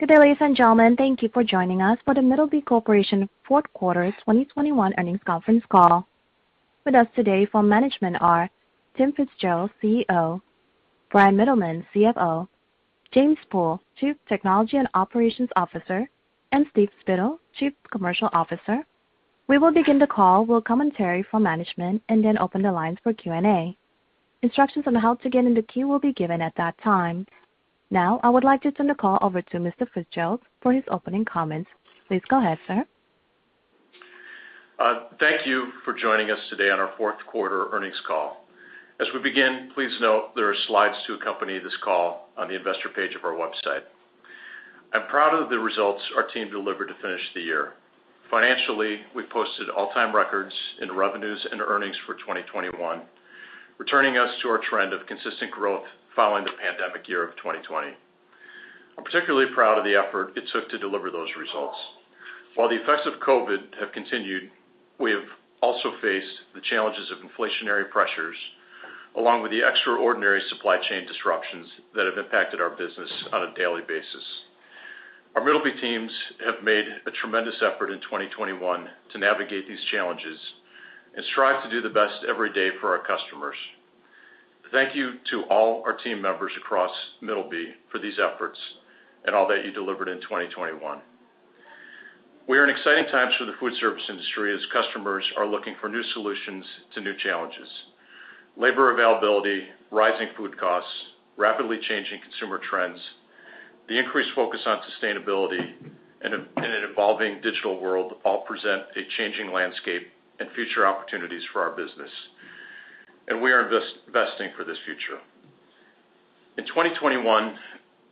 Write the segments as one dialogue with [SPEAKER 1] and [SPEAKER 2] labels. [SPEAKER 1] Good day, ladies and gentlemen. Thank you for joining us for the Middleby Corporation fourth quarter 2021 earnings conference call. With us today from management are Tim FitzGerald, CEO, Bryan Mittelman, CFO, James Pool, Chief Technology and Operations Officer, and Steve Spittle, Chief Commercial Officer. We will begin the call with commentary from management and then open the lines for Q&A. Instructions on how to get in the queue will be given at that time. Now I would like to turn the call over to Mr. FitzGerald for his opening comments. Please go ahead, sir.
[SPEAKER 2] Thank you for joining us today on our fourth quarter earnings call. As we begin, please note there are slides to accompany this call on the investor page of our website. I'm proud of the results our team delivered to finish the year. Financially, we posted all-time records in revenues and earnings for 2021, returning us to our trend of consistent growth following the pandemic year of 2020. I'm particularly proud of the effort it took to deliver those results. While the effects of COVID have continued, we have also faced the challenges of inflationary pressures, along with the extraordinary supply chain disruptions that have impacted our business on a daily basis. Our Middleby teams have made a tremendous effort in 2021 to navigate these challenges and strive to do the best every day for our customers. Thank you to all our team members across Middleby for these efforts and all that you delivered in 2021. We are in exciting times for the food service industry as customers are looking for new solutions to new challenges. Labor availability, rising food costs, rapidly changing consumer trends, the increased focus on sustainability and an evolving digital world all present a changing landscape and future opportunities for our business, and we are investing for this future. In 2021,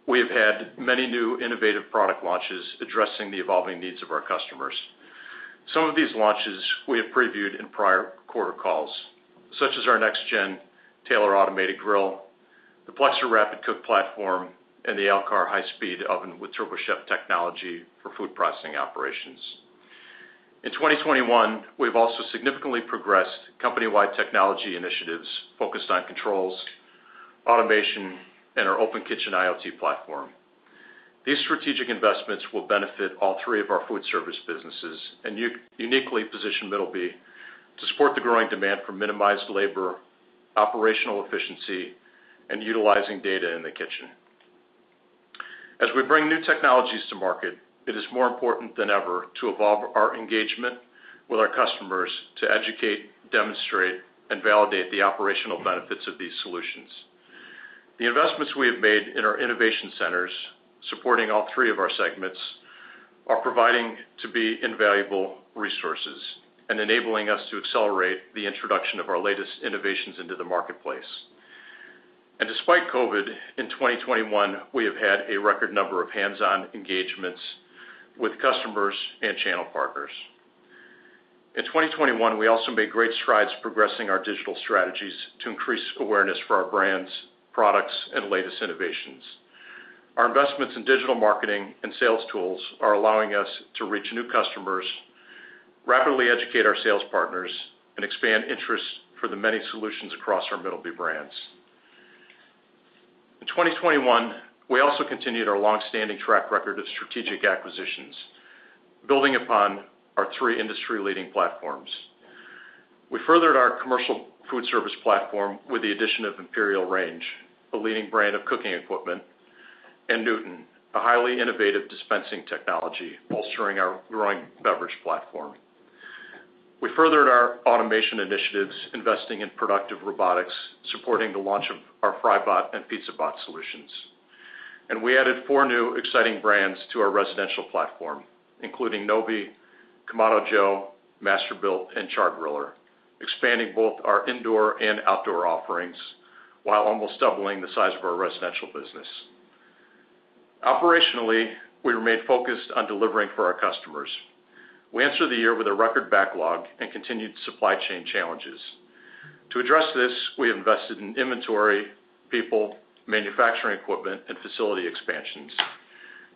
[SPEAKER 2] we have had many new innovative product launches addressing the evolving needs of our customers. Some of these launches we have previewed in prior quarter calls, such as our next-gen Taylor automated grill, the PLEXOR rapid cook platform, and the Alkar high-speed oven with TurboChef technology for food processing operations. In 2021, we've also significantly progressed company-wide technology initiatives focused on controls, automation, and our Open Kitchen IoT platform. These strategic investments will benefit all three of our food service businesses and uniquely position Middleby to support the growing demand for minimized labor, operational efficiency, and utilizing data in the kitchen. As we bring new technologies to market, it is more important than ever to evolve our engagement with our customers to educate, demonstrate, and validate the operational benefits of these solutions. The investments we have made in our innovation centers supporting all three of our segments are providing to be invaluable resources and enabling us to accelerate the introduction of our latest innovations into the marketplace. Despite COVID, in 2021 we have had a record number of hands-on engagements with customers and channel partners. In 2021, we also made great strides progressing our digital strategies to increase awareness for our brands, products, and latest innovations. Our investments in digital marketing and sales tools are allowing us to reach new customers, rapidly educate our sales partners, and expand interest for the many solutions across our Middleby brands. In 2021, we also continued our long-standing track record of strategic acquisitions, building upon our three industry-leading platforms. We furthered our commercial food service platform with the addition of Imperial Range, a leading brand of cooking equipment, and Newco, a highly innovative dispensing technology bolstering our growing beverage platform. We furthered our automation initiatives, investing in Productive Robotics, supporting the launch of our FryBot and PizzaBot solutions. We added four new exciting brands to our residential platform, including Novy, Kamado Joe, Masterbuilt, and Char-Griller, expanding both our indoor and outdoor offerings while almost doubling the size of our residential business. Operationally, we remained focused on delivering for our customers. We entered the year with a record backlog and continued supply chain challenges. To address this, we invested in inventory, people, manufacturing equipment, and facility expansions.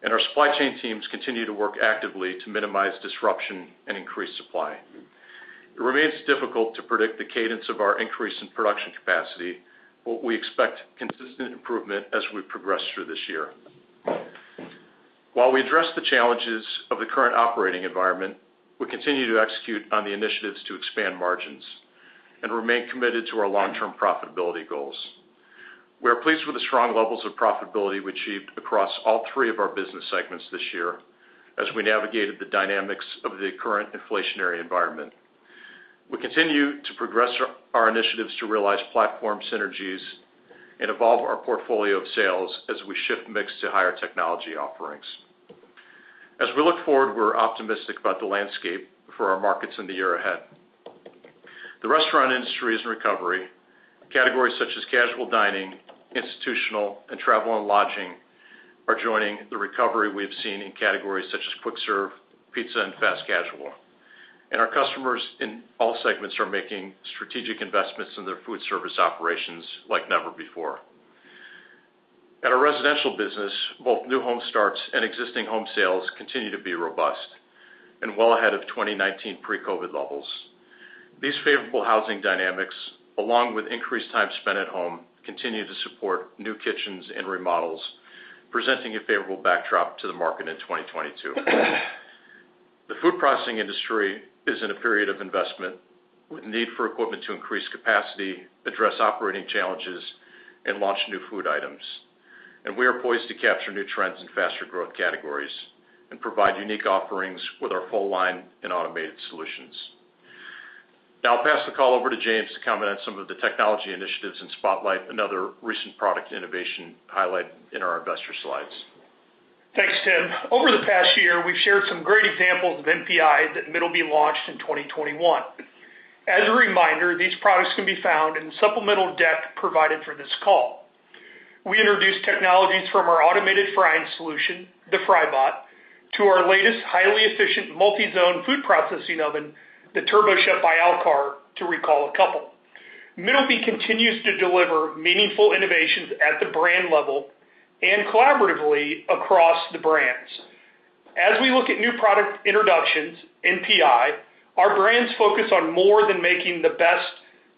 [SPEAKER 2] Our supply chain teams continue to work actively to minimize disruption and increase supply. It remains difficult to predict the cadence of our increase in production capacity, but we expect consistent improvement as we progress through this year. While we address the challenges of the current operating environment, we continue to execute on the initiatives to expand margins and remain committed to our long-term profitability goals. We are pleased with the strong levels of profitability we achieved across all three of our business segments this year as we navigated the dynamics of the current inflationary environment. We continue to progress our initiatives to realize platform synergies and evolve our portfolio of sales as we shift mix to higher technology offerings. As we look forward, we're optimistic about the landscape for our markets in the year ahead. The restaurant industry is in recovery. Categories such as casual dining, institutional, and travel and lodging are joining the recovery we have seen in categories such as quick serve, pizza, and fast casual. Our customers in all segments are making strategic investments in their food service operations like never before. At our residential business, both new home starts and existing home sales continue to be robust and well ahead of 2019 pre-COVID levels. These favorable housing dynamics, along with increased time spent at home, continue to support new kitchens and remodels, presenting a favorable backdrop to the market in 2022. The food processing industry is in a period of investment with need for equipment to increase capacity, address operating challenges, and launch new food items. We are poised to capture new trends in faster growth categories and provide unique offerings with our full line and automated solutions. Now I'll pass the call over to James to comment on some of the technology initiatives and spotlight another recent product innovation highlight in our investor slides.
[SPEAKER 3] Thanks, Tim. Over the past year, we've shared some great examples of NPI that Middleby launched in 2021. As a reminder, these products can be found in supplemental deck provided for this call. We introduced technologies from our automated frying solution, the FryBot, to our latest highly efficient multi-zone food processing oven, the TurboChef by Alkar, to recall a couple. Middleby continues to deliver meaningful innovations at the brand level and collaboratively across the brands. As we look at new product introductions, NPI, our brands focus on more than making the best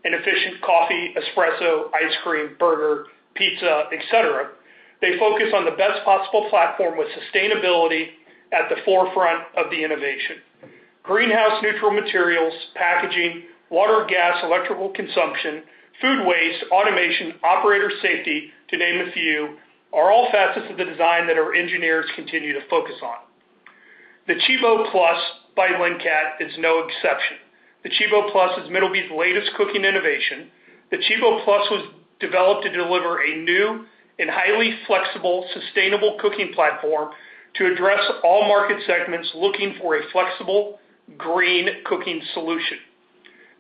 [SPEAKER 3] and efficient coffee, espresso, ice cream, burger, pizza, et cetera. They focus on the best possible platform with sustainability at the forefront of the innovation. Greenhouse-neutral materials, packaging, water, gas, electrical consumption, food waste, automation, operator safety, to name a few, are all facets of the design that our engineers continue to focus on. The CiBO+ by Lincat is no exception. The CiBO+ is Middleby's latest cooking innovation. The CiBO+ was developed to deliver a new and highly flexible, sustainable cooking platform to address all market segments looking for a flexible, green cooking solution.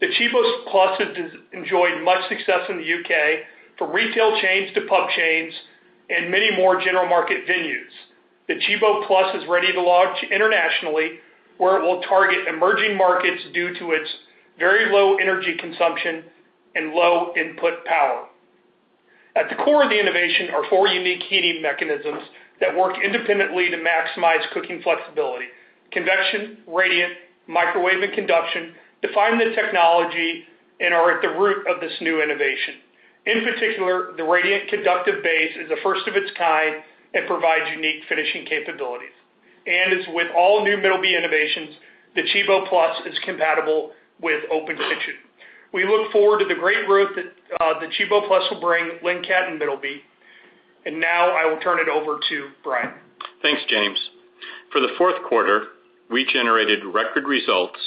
[SPEAKER 3] The CiBO+ has enjoyed much success in the U.K. from retail chains to pub chains and many more general market venues. The CiBO+ is ready to launch internationally, where it will target emerging markets due to its very low energy consumption and low input power. At the core of the innovation are four unique heating mechanisms that work independently to maximize cooking flexibility. Convection, radiant, microwave, and conduction define the technology and are at the root of this new innovation. In particular, the radiant conductive base is the first of its kind and provides unique finishing capabilities. As with all new Middleby innovations, the CiBO+ is compatible with Open Kitchen. We look forward to the great growth that the CiBO+ will bring Lincat and Middleby. Now I will turn it over to Bryan.
[SPEAKER 4] Thanks, James. For the fourth quarter, we generated record results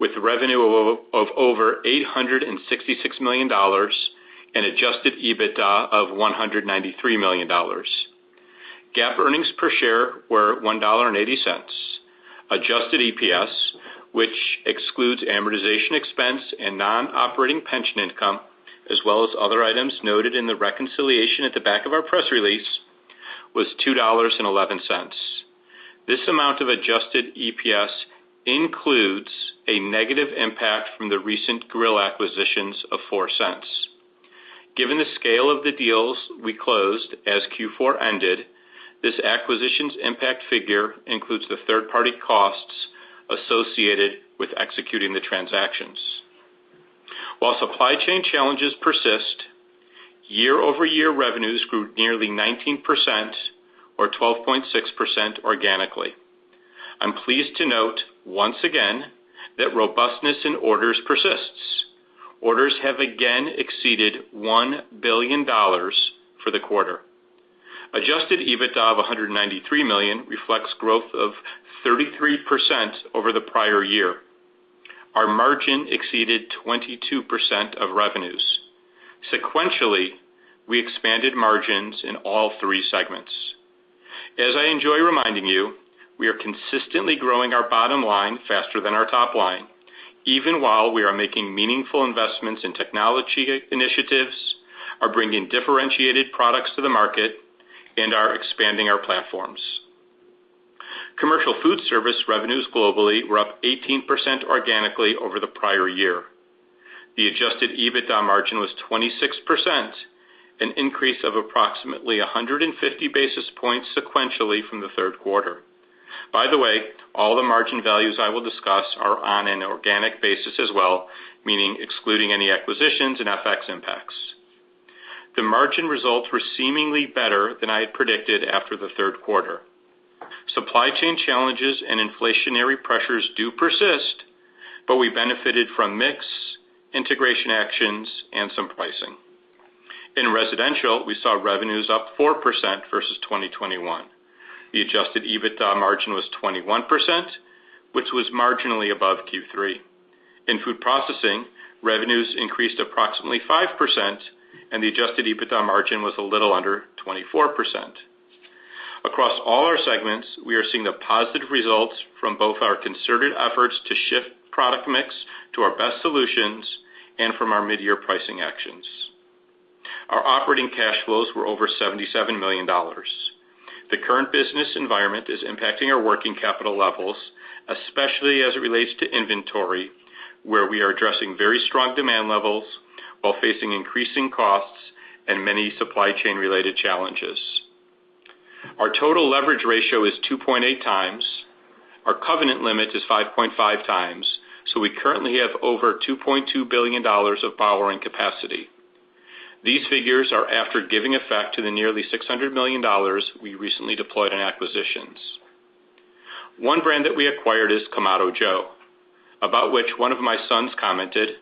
[SPEAKER 4] with revenue of over $866 million and adjusted EBITDA of $193 million. GAAP earnings per share were $1.80. Adjusted EPS, which excludes amortization expense and non-operating pension income, as well as other items noted in the reconciliation at the back of our press release, was $2.11. This amount of adjusted EPS includes a negative impact from the recent grill acquisitions of $0.04. Given the scale of the deals we closed as Q4 ended, this acquisitions impact figure includes the third-party costs associated with executing the transactions. While supply chain challenges persist, year-over-year revenues grew nearly 19% or 12.6% organically. I'm pleased to note, once again, that robustness in orders persists. Orders have again exceeded $1 billion for the quarter. Adjusted EBITDA of $193 million reflects growth of 33% over the prior year. Our margin exceeded 22% of revenues. Sequentially, we expanded margins in all three segments. As I enjoy reminding you, we are consistently growing our bottom line faster than our top-line, even while we are making meaningful investments in technology initiatives, are bringing differentiated products to the market, and are expanding our platforms. Commercial food service revenues globally were up 18% organically over the prior year. The adjusted EBITDA margin was 26%, an increase of approximately 150 basis points sequentially from the third quarter. By the way, all the margin values I will discuss are on an organic basis as well, meaning excluding any acquisitions and FX impacts. The margin results were seemingly better than I had predicted after the third quarter. Supply chain challenges and inflationary pressures do persist, but we benefited from mix, integration actions, and some pricing. In residential, we saw revenues up 4% versus 2021. The adjusted EBITDA margin was 21%, which was marginally above Q3. In food processing, revenues increased approximately 5%, and the adjusted EBITDA margin was a little under 24%. Across all our segments, we are seeing the positive results from both our concerted efforts to shift product mix to our best solutions and from our mid-year pricing actions. Our operating cash flows were over $77 million. The current business environment is impacting our working capital levels, especially as it relates to inventory, where we are addressing very strong demand levels while facing increasing costs and many supply chain-related challenges. Our total leverage ratio is 2.8x. Our covenant limit is 5.5x. We currently have over $2.2 billion of borrowing capacity. These figures are after giving effect to the nearly $600 million we recently deployed in acquisitions. One brand that we acquired is Kamado Joe, about which one of my sons commented,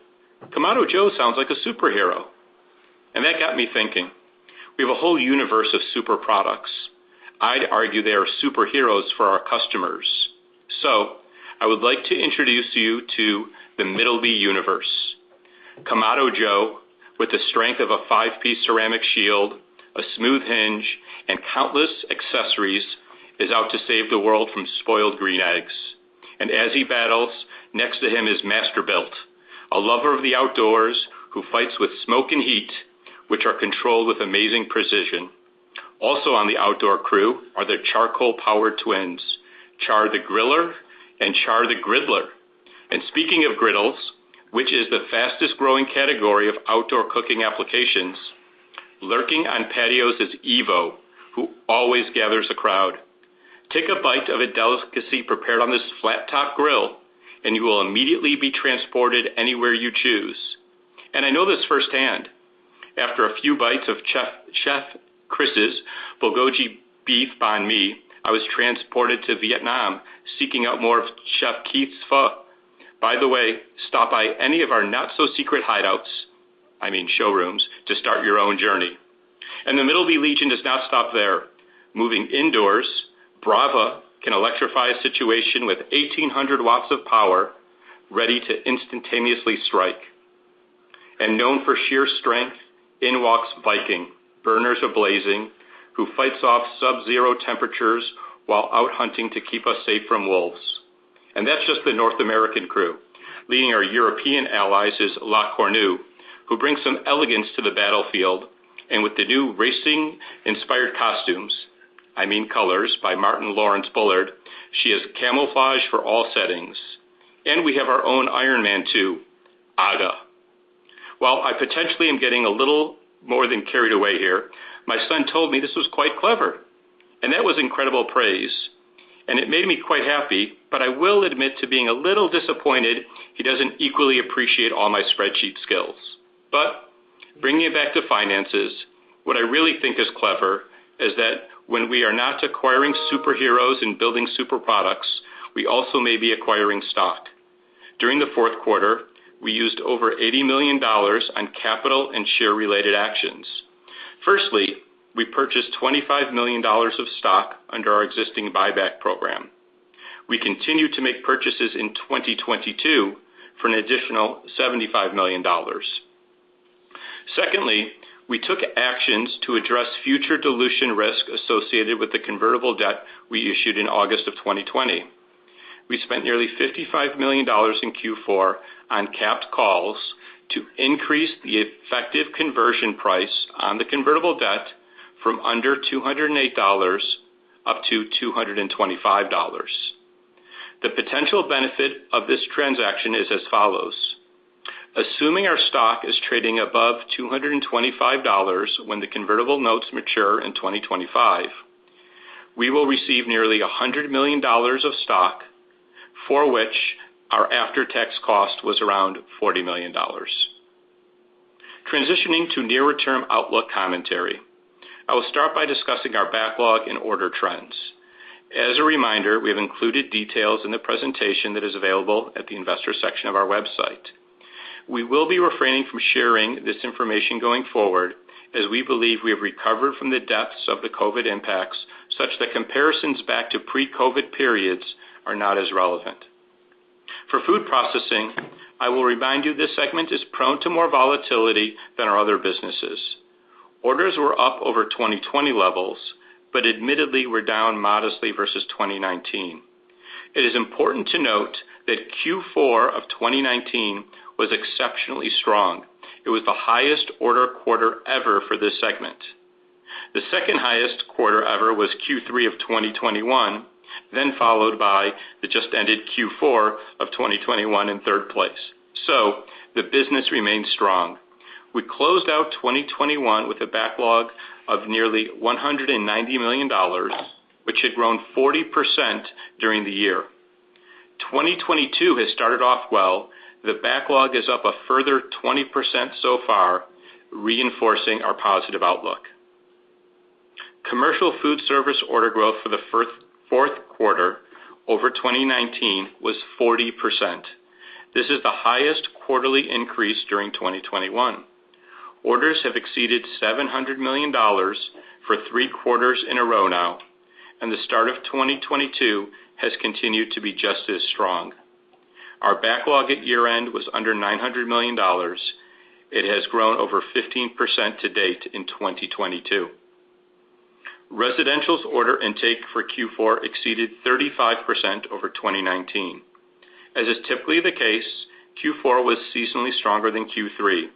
[SPEAKER 4] "Kamado Joe sounds like a superhero." That got me thinking, we have a whole universe of super products. I'd argue they are superheroes for our customers. I would like to introduce you to the Middleby universe. Kamado Joe, with the strength of a five-piece ceramic shield, a smooth hinge, and countless accessories, is out to save the world from spoiled green eggs. As he battles, next to him is Masterbuilt, a lover of the outdoors who fights with smoke and heat, which are controlled with amazing precision. Also on the outdoor crew are the charcoal-powered twins, Char-Griller and Char-Griller Flat Iron. Speaking of griddles, which is the fastest-growing category of outdoor cooking applications, lurking on patios is Evo, who always gathers a crowd. Take a bite of a delicacy prepared on this flat-top grill, and you will immediately be transported anywhere you choose. I know this firsthand. After a few bites of Chef Chris's bulgogi beef banh mi, I was transported to Vietnam, seeking out more of Chef Keith's pho. By the way, stop by any of our not-so-secret hideouts, I mean showrooms, to start your own journey. The Middleby legion does not stop there. Moving indoors, Brava can electrify a situation with 1,800 watts of power, ready to instantaneously strike. Known for sheer strength, in walks Viking, burners a-blazing, who fights off Sub-Zero temperatures while out hunting to keep us safe from Wolf. That's just the North American crew. Leading our European allies is La Cornue, who brings some elegance to the battlefield, and with the new racing-inspired costumes, I mean colors, by Martyn Lawrence Bullard, she has camouflage for all settings. We have our own Iron Man too, AGA. While I potentially am getting a little more than carried away here, my son told me this was quite clever, and that was incredible praise, and it made me quite happy, but I will admit to being a little disappointed he doesn't equally appreciate all my spreadsheet skills. Bringing it back to finances, what I really think is clever is that when we are not acquiring superheroes and building super products, we also may be acquiring stock. During the fourth quarter, we used over $80 million on capital and share-related actions. Firstly, we purchased $25 million of stock under our existing buyback program. We continue to make purchases in 2022 for an additional $75 million. Secondly, we took actions to address future dilution risk associated with the convertible debt we issued in August of 2020. We spent nearly $55 million in Q4 on capped calls to increase the effective conversion price on the convertible debt from under $208 up to $225. The potential benefit of this transaction is as follows. Assuming our stock is trading above $225 when the convertible notes mature in 2025, we will receive nearly $100 million of stock, for which our after-tax cost was around $40 million. Transitioning to near-term outlook commentary, I will start by discussing our backlog and order trends. As a reminder, we have included details in the presentation that is available at the investor section of our website. We will be refraining from sharing this information going forward, as we believe we have recovered from the depths of the COVID impacts, such that comparisons back to pre-COVID periods are not as relevant. For food processing, I will remind you this segment is prone to more volatility than our other businesses. Orders were up over 2020 levels, but admittedly were down modestly versus 2019. It is important to note that Q4 of 2019 was exceptionally strong. It was the highest order quarter ever for this segment. The second highest quarter ever was Q3 of 2021, then followed by the just ended Q4 of 2021 in third place. The business remains strong. We closed out 2021 with a backlog of nearly $190 million, which had grown 40% during the year. 2022 has started off well. The backlog is up a further 20% so far, reinforcing our positive outlook. Commercial food service order growth for the fourth quarter over 2019 was 40%. This is the highest quarterly increase during 2021. Orders have exceeded $700 million for three quarters in a row now, and the start of 2022 has continued to be just as strong. Our backlog at year-end was under $900 million. It has grown over 15% to date in 2022. Residential's order intake for Q4 exceeded 35% over 2019. As is typically the case, Q4 was seasonally stronger than Q3.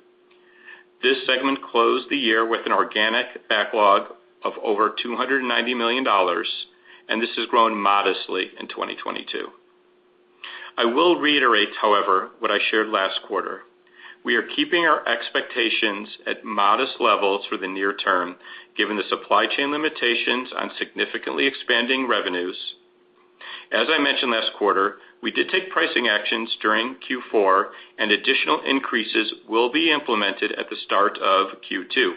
[SPEAKER 4] This segment closed the year with an organic backlog of over $290 million, and this has grown modestly in 2022. I will reiterate, however, what I shared last quarter. We are keeping our expectations at modest levels for the near term, given the supply chain limitations on significantly expanding revenues. As I mentioned last quarter, we did take pricing actions during Q4, and additional increases will be implemented at the start of Q2.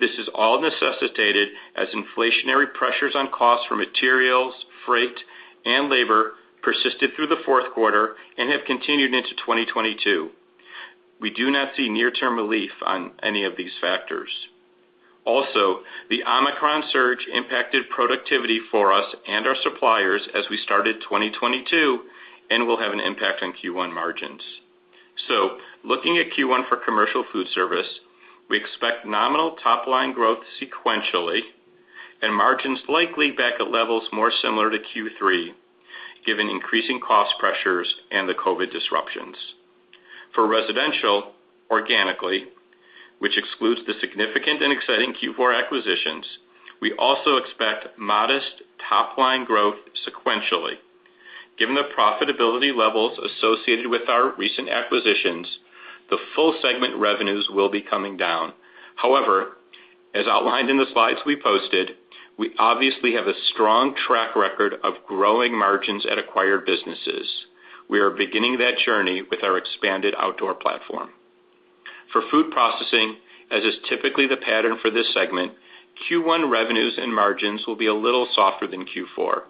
[SPEAKER 4] This is all necessitated as inflationary pressures on costs for materials, freight, and labor persisted through the fourth quarter and have continued into 2022. We do not see near-term relief on any of these factors. Also, the Omicron surge impacted productivity for us and our suppliers as we started 2022 and will have an impact on Q1 margins. Looking at Q1 for commercial food service, we expect nominal top-line growth sequentially and margins likely back at levels more similar to Q3, given increasing cost pressures and the COVID disruptions. For residential, organically, which excludes the significant and exciting Q4 acquisitions, we also expect modest top-line growth sequentially. Given the profitability levels associated with our recent acquisitions, the full segment revenues will be coming down. However, as outlined in the slides we posted, we obviously have a strong track record of growing margins at acquired businesses. We are beginning that journey with our expanded outdoor platform. For food processing, as is typically the pattern for this segment, Q1 revenues and margins will be a little softer than Q4.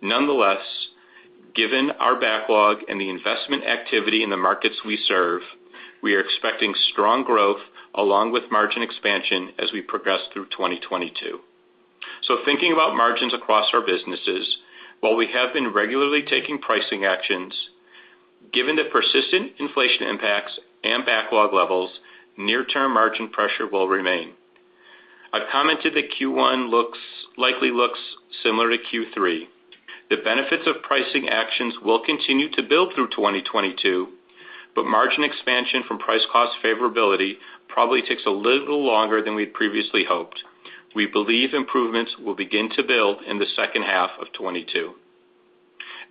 [SPEAKER 4] Nonetheless, given our backlog and the investment activity in the markets we serve, we are expecting strong growth along with margin expansion as we progress through 2022. Thinking about margins across our businesses, while we have been regularly taking pricing actions, given the persistent inflation impacts and backlog levels, near-term margin pressure will remain. I commented that Q1 likely looks similar to Q3. The benefits of pricing actions will continue to build through 2022, but margin expansion from price cost favorability probably takes a little longer than we'd previously hoped. We believe improvements will begin to build in the second half of 2022.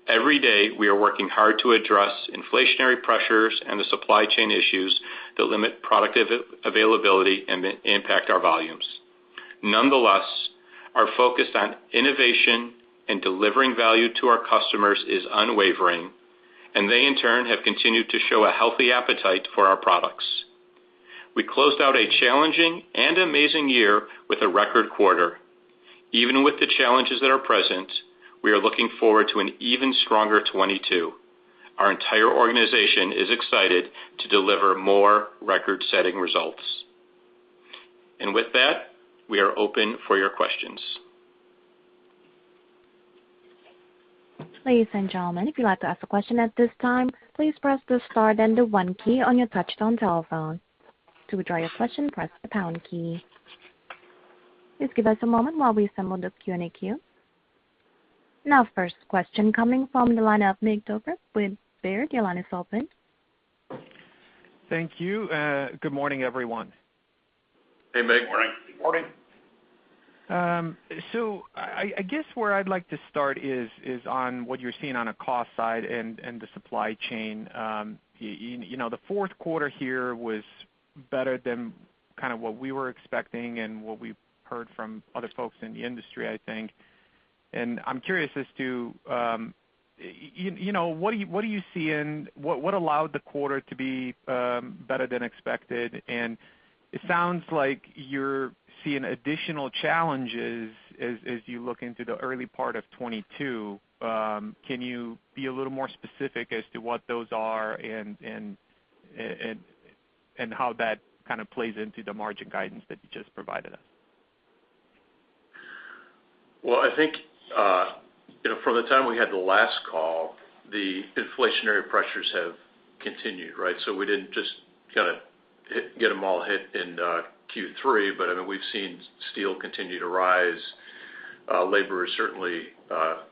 [SPEAKER 4] Every day, we are working hard to address inflationary pressures and the supply chain issues that limit product availability and impact our volumes. Nonetheless, our focus on innovation and delivering value to our customers is unwavering, and they in turn have continued to show a healthy appetite for our products. We closed out a challenging and amazing year with a record quarter. Even with the challenges that are present, we are looking forward to an even stronger 2022. Our entire organization is excited to deliver more record-setting results. With that, we are open for your questions.
[SPEAKER 1] Ladies and gentlemen, if you'd like to ask a question at this time, please press the star then the one key on your touchtone telephone. To withdraw your question, press the pound key. Please give us a moment while we assemble this Q&A queue. Now, the first question coming from the line of Mircea Dobre with Baird. Your line is open.
[SPEAKER 5] Thank you. Good morning, everyone.
[SPEAKER 2] Hey, Mircea. Good morning.
[SPEAKER 4] Good morning.
[SPEAKER 5] I guess where I'd like to start is on what you're seeing on a cost side and the supply chain. You know, the fourth quarter here was better than kind of what we were expecting and what we've heard from other folks in the industry, I think. I'm curious as to, you know, what do you see and what allowed the quarter to be better than expected? It sounds like you're seeing additional challenges as you look into the early part of 2022. Can you be a little more specific as to what those are and how that kind of plays into the margin guidance that you just provided us?
[SPEAKER 2] Well, I think, you know, from the time we had the last call, the inflationary pressures have continued, right? We didn't just kind of get them all hit in Q3, but I mean, we've seen steel continue to rise. Labor is certainly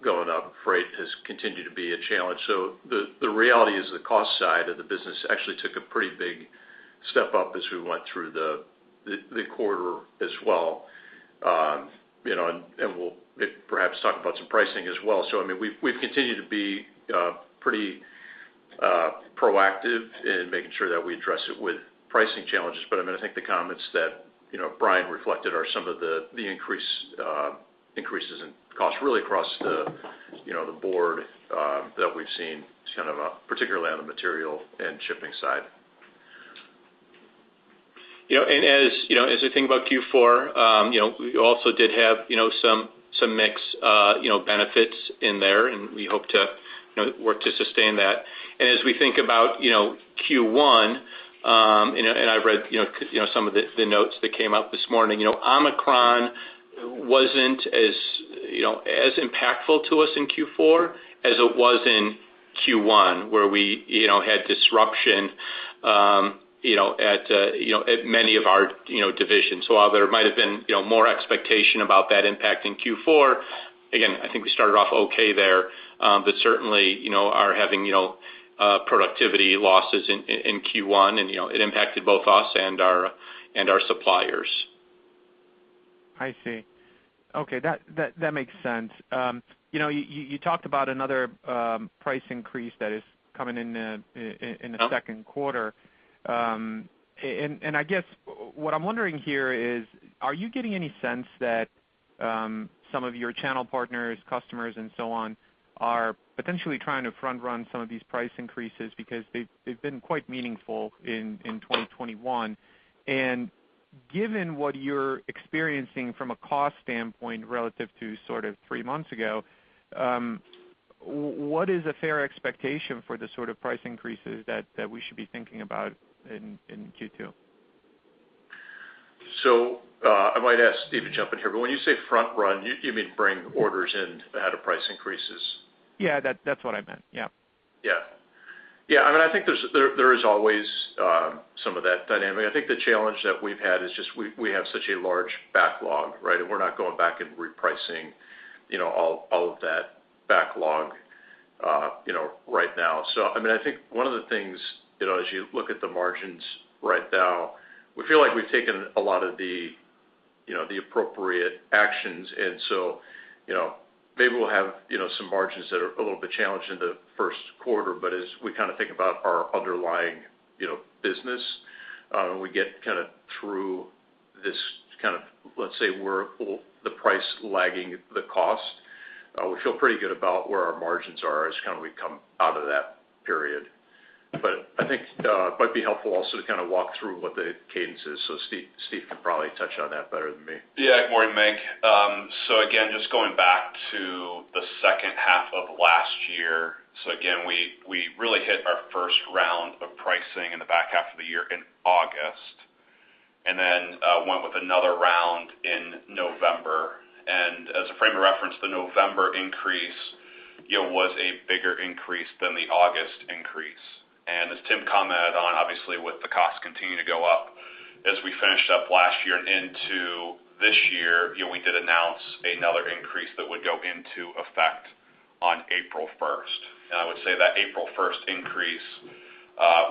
[SPEAKER 2] going up. Freight has continued to be a challenge. The reality is the cost side of the business actually took a pretty big step up as we went through the quarter as well. You know, and we'll perhaps talk about some pricing as well. I mean, we've continued to be pretty proactive in making sure that we address it with pricing challenges. I mean, I think the comments that, you know, Bryan reflected are some of the increases in cost really across the, you know, the board that we've seen kind of particularly on the material and shipping side.
[SPEAKER 4] You know, as I think about Q4, you know, we also did have you know some mix benefits in there, and we hope to you know work to sustain that. As we think about Q1, and I've read you know some of the notes that came out this morning. You know, Omicron wasn't as you know as impactful to us in Q4 as it was in Q1, where we you know had disruption you know at you know at many of our you know divisions. While there might have been, you know, more expectation about that impact in Q4, again, I think we started off okay there, but certainly, you know, are having, you know, productivity losses in Q1, and, you know, it impacted both us and our suppliers.
[SPEAKER 5] I see. Okay, that makes sense. You know, you talked about another price increase that is coming in the second quarter. I guess what I'm wondering here is, are you getting any sense that some of your channel partners, customers, and so on are potentially trying to front run some of these price increases because they've been quite meaningful in 2021. Given what you're experiencing from a cost standpoint relative to sort of three months ago, what is a fair expectation for the sort of price increases that we should be thinking about in Q2?
[SPEAKER 2] I might ask Steve to jump in here, but when you say front run, you mean bring orders in ahead of price increases?
[SPEAKER 5] Yeah. That, that's what I meant. Yeah.
[SPEAKER 2] Yeah. Yeah, I mean, I think there is always some of that dynamic. I think the challenge that we've had is just we have such a large backlog, right? We're not going back and repricing, you know, all of that backlog, you know, right now. I mean, I think one of the things, you know, as you look at the margins right now, we feel like we've taken a lot of the, you know, the appropriate actions. You know, maybe we'll have, you know, some margins that are a little bit challenged in the first quarter, but as we kind of think about our underlying, you know, business, and we get kind of through this kind of, let's say, the price lagging the cost, we feel pretty good about where our margins are as kind of we come out of that period. I think it might be helpful also to kind of walk through what the cadence is. Steve can probably touch on that better than me.
[SPEAKER 6] Yeah. Good morning, Mircea. Again, just going back to the second half of last year. Again, we really hit our first round of pricing in the back half of the year in August, and then went with another round in November. As a frame of reference, the November increase, you know, was a bigger increase than the August increase. As Tim commented on, obviously, with the costs continuing to go up as we finished up last year and into this year, you know, we did announce another increase that would go into effect on April 1st. I would say that April 1st increase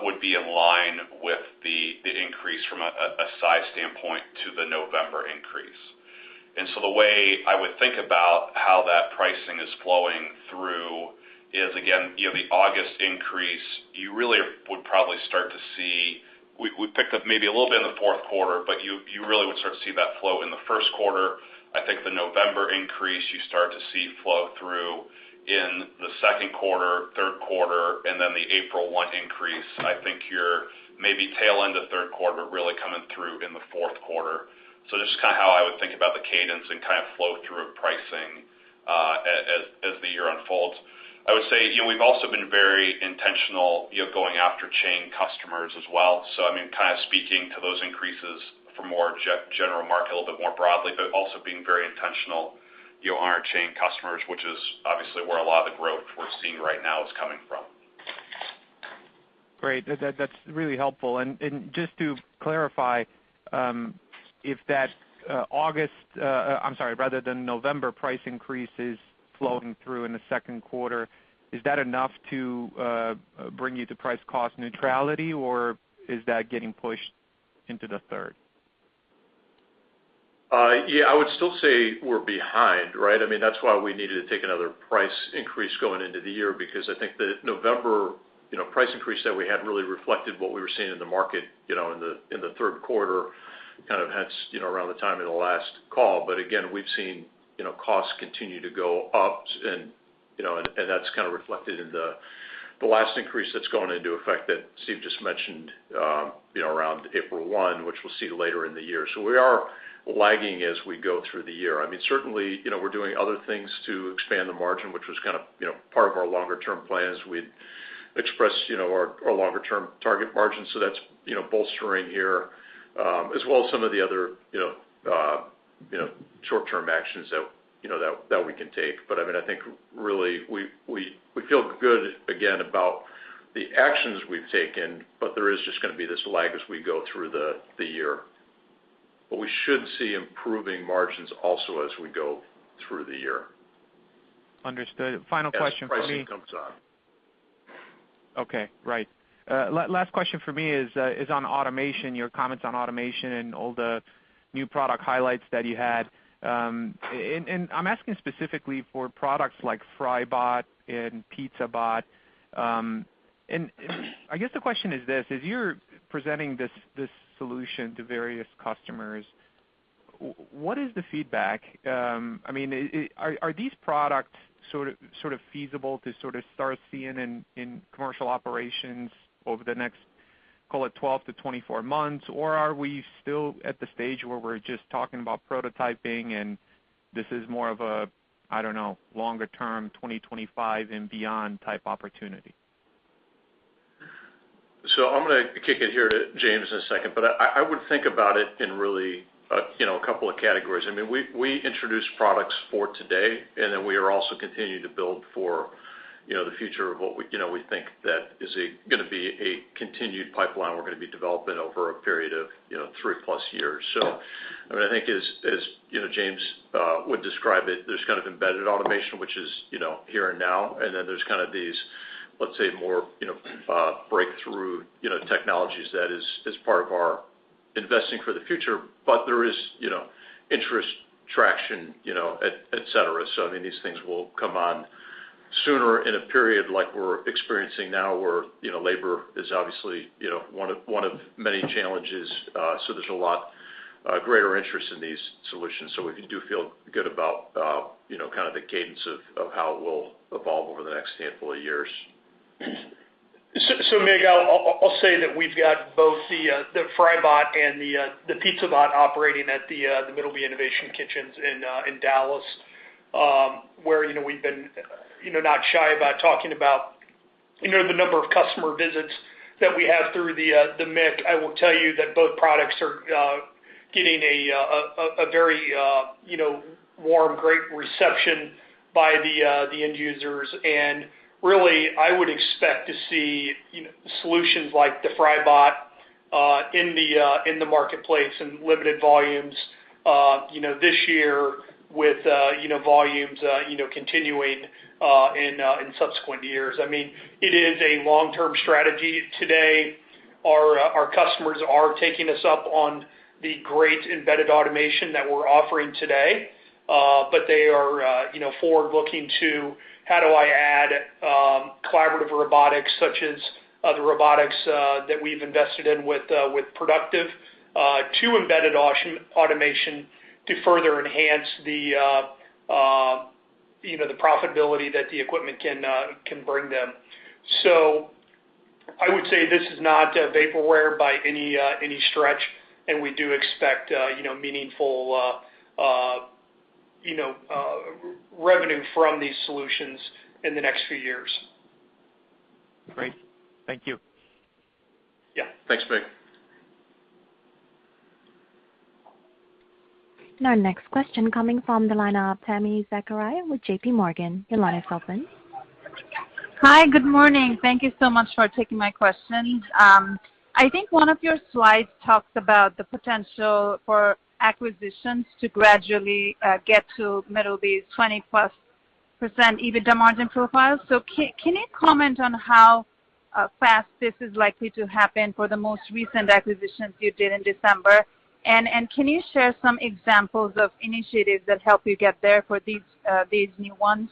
[SPEAKER 6] would be in line with the increase from a size standpoint to the November increase. The way I would think about how that pricing is flowing through is, again, you know, the August increase, you really would probably start to see. We picked up maybe a little bit in the fourth quarter, but you really would start to see that flow in the first quarter. I think the November increase, you start to see flow through in the second quarter, third quarter, and then the April 1st increase, I think you're maybe tail end of third quarter, really coming through in the fourth quarter. Just kind of how I would think about the cadence and kind of flow through pricing, as the year unfolds. I would say, you know, we've also been very intentional, you know, going after chain customers as well. I mean, kind of speaking to those increases for more general market a little bit more broadly, but also being very intentional, you know, on our chain customers, which is obviously where a lot of the growth we're seeing right now is coming from.
[SPEAKER 5] Great. That's really helpful. Just to clarify, if the November price increase is flowing through in the second quarter, is that enough to bring you to price cost neutrality, or is that getting pushed into the third?
[SPEAKER 2] I would still say we're behind, right? I mean, that's why we needed to take another price increase going into the year because I think the November, you know, price increase that we had really reflected what we were seeing in the market, you know, in the third quarter, kind of hence, you know, around the time of the last call. But again, we've seen, you know, costs continue to go up and, you know, and that's kind of reflected in the last increase that's gone into effect that Steve just mentioned, you know, around April 1st, which we'll see later in the year. We are lagging as we go through the year. I mean, certainly, you know, we're doing other things to expand the margin, which was kind of, you know, part of our longer term plan as we'd express, you know, our longer term target margin. That's, you know, bolstering here, as well as some of the other, you know, short-term actions that, you know, that we can take. But I mean, I think really we feel good again about the actions we've taken, but there is just gonna be this lag as we go through the year. We should see improving margins also as we go through the year.
[SPEAKER 5] Understood. Final question for me.
[SPEAKER 2] As pricing comes on.
[SPEAKER 5] Okay. Right. Last question for me is on automation, your comments on automation and all the new product highlights that you had. I'm asking specifically for products like FryBot and PizzaBot. I guess the question is this, as you're presenting this solution to various customers, what is the feedback? I mean, are these products sort of feasible to sort of start seeing in commercial operations over the next, call it 12-24 months? Or are we still at the stage where we're just talking about prototyping and this is more of a, I don't know, longer term, 2025 and beyond type opportunity?
[SPEAKER 2] I'm gonna kick it here to James in a second, but I would think about it in really, you know, a couple of categories. I mean, we introduce products for today, and then we are also continuing to build for, you know, the future of what we, you know, we think that is gonna be a continued pipeline we're gonna be developing over a period of, you know, 3+ years. I mean, I think as, you know, James would describe it, there's kind of embedded automation, which is, you know, here and now, and then there's kind of these, let's say, more, you know, breakthrough, you know, technologies that is part of our investing for the future. There is, you know, interest, traction, you know, et cetera. I mean, these things will come on sooner in a period like we're experiencing now where, you know, labor is obviously, you know, one of many challenges. There's a lot greater interest in these solutions. We do feel good about, you know, kind of the cadence of how it will evolve over the next handful of years.
[SPEAKER 3] Mircea, I'll say that we've got both the FryBot and the PizzaBot operating at the Middleby Innovation Kitchens in Dallas, where you know we've been you know not shy about talking about you know the number of customer visits that we have through the MIK. I will tell you that both products are getting a very you know warm great reception by the end users. Really, I would expect to see you know solutions like the FryBot in the marketplace in limited volumes you know this year with volumes continuing in subsequent years. I mean, it is a long-term strategy today. Our customers are taking us up on the great embedded automation that we're offering today. They are you know forward-looking to, "How do I add collaborative robotics such as the robotics that we've invested in with Productive to embedded automation to further enhance you know the profitability that the equipment can bring them." I would say this is not vaporware by any stretch, and we do expect you know meaningful you know revenue from these solutions in the next few years.
[SPEAKER 5] Great. Thank you.
[SPEAKER 3] Yeah.
[SPEAKER 2] Thanks, Mircea.
[SPEAKER 1] Our next question coming from the line of Tami Zakaria with JPMorgan. Your line is open.
[SPEAKER 7] Hi. Good morning. Thank you so much for taking my question. I think one of your slides talked about the potential for acquisitions to gradually get to Middleby's 20%+ EBITDA margin profile. Can you comment on how fast this is likely to happen for the most recent acquisitions you did in December? Can you share some examples of initiatives that help you get there for these new ones?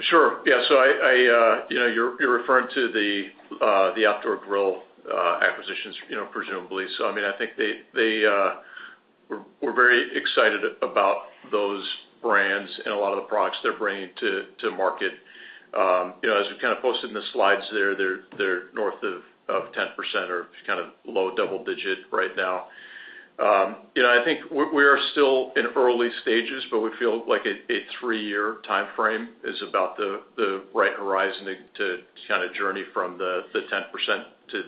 [SPEAKER 2] Sure. Yeah. I, you know, you're referring to the outdoor grill acquisitions, you know, presumably. I mean, I think we're very excited about those brands and a lot of the products they're bringing to market. You know, as we kind of posted in the slides there, they're north of 10% or kind of low double digit right now. You know, I think we are still in early stages, but we feel like a three-year timeframe is about the right horizon to kind of journey from the 10% to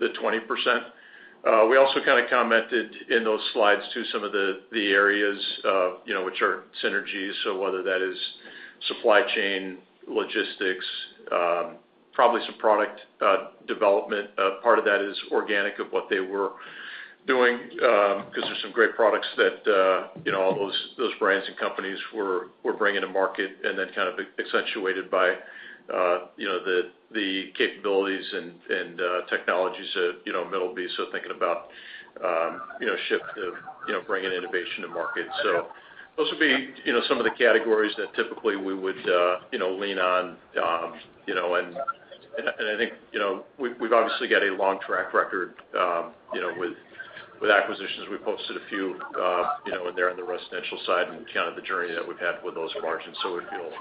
[SPEAKER 2] the 20%. We also kind of commented in those slides to some of the areas, you know, which are synergies. Whether that is supply chain, logistics, probably some product development. Part of that is organic of what they were doing, because there's some great products that you know all those brands and companies were bringing to market and then kind of accentuated by you know the capabilities and technologies that you know Middleby is still thinking about shifting bringing innovation to market. Those would be you know some of the categories that typically we would you know lean on you know. I think you know we've obviously got a long track record you know with acquisitions. We've posted a few you know in there on the residential side and kind of the journey that we've had with those margins. We feel,